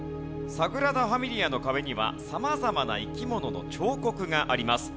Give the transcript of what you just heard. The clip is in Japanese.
サグラダ・ファミリアの壁には様々な生き物の彫刻があります。